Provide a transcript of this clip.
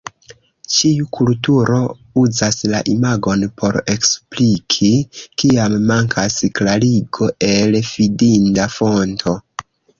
Ĉiu kulturo uzas la imagon por ekspliki, kiam mankas klarigo el fidinda fonto.